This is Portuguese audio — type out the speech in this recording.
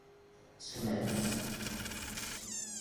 Sumé